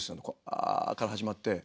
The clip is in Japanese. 「ア」から始まって。